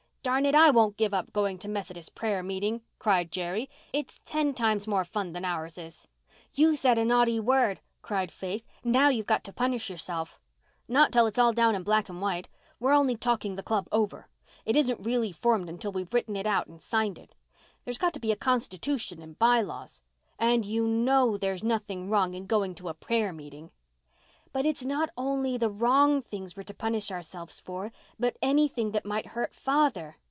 "Darn it, I won't give up going to the Methodist prayer meeting," cried Jerry. "It's ten times more fun than ours is." "You said a naughty word," cried Faith. "Now, you've got to punish yourself." "Not till it's all down in black and white. We're only talking the club over. It isn't really formed until we've written it out and signed it. There's got to be a constitution and by laws. And you know there's nothing wrong in going to a prayer meeting." "But it's not only the wrong things we're to punish ourselves for, but anything that might hurt father."